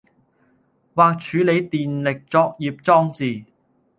或處理電力作業裝置